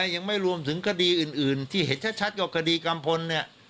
ยังไม่รวมถึงคดีอื่นที่เห็นชัดกับคดีกัมพลเนี่ย